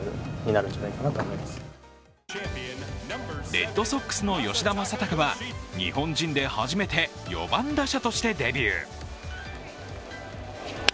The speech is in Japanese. レッドソックスの吉田正尚は日本人で初めて４番打者としてデビュー。